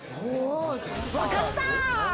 わかった。